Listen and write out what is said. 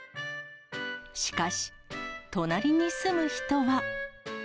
しかし、隣に住む人は。